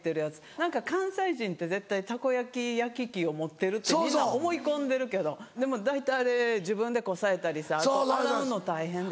何か関西人って絶対たこ焼き器を持ってるってみんな思い込んでるけどでも大体あれ自分でこさえたりあと洗うの大変で。